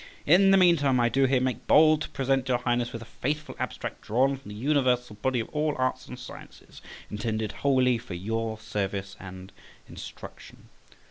In the meantime, I do here make bold to present your Highness with a faithful abstract drawn from the universal body of all arts and sciences, intended wholly for your service and instruction.